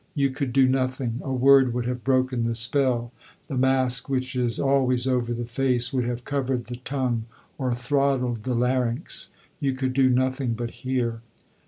You could do nothing; a word would have broken the spell. The mask which is always over the face would have covered the tongue or throttled the larynx. You could do nothing but hear.